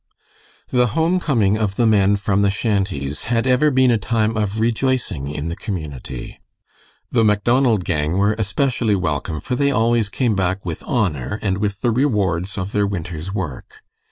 The home coming of the men from the shanties had ever been a time of rejoicing in the community. The Macdonald gang were especially welcome, for they always came back with honor and with the rewards of their winter's work.